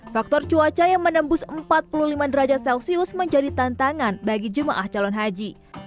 faktor cuaca yang menembus empat puluh lima derajat celcius menjadi tantangan bagi jemaah calon haji